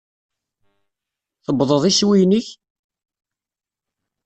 Tewwḍeḍ iswiyen-ik?